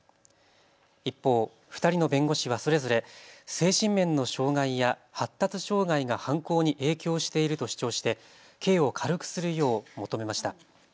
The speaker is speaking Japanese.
一方、２人の弁護士はそれぞれ精神面の障害や発達障害が犯行に影響していると主張して刑を軽くするよう求めました。